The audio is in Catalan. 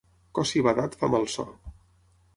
Cossi badat fa mal so.